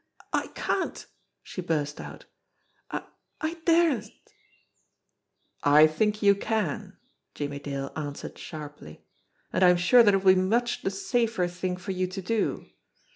"I I can't!" she burst out. "I I daresn't!" "I think you can," Jimmie Dale answered sharply. "And I am sure that it will be much the safer thing for you to do.